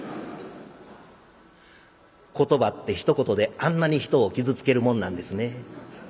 言葉ってひと言であんなに人を傷つけるもんなんですね。